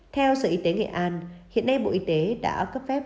theo sở y tế nghệ an hiện nay bộ y tế đã cấp phép